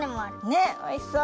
ねっおいしそう！